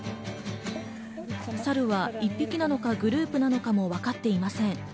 サルは１匹なのか、グループなのかも分かっていません。